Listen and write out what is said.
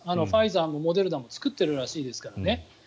ファイザーもモデルナも作ってるらしいですからね。